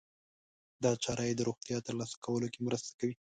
دا چاره يې د روغتیا ترلاسه کولو کې مرسته کوي.